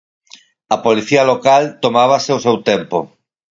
A policía local tomábase o seu tempo.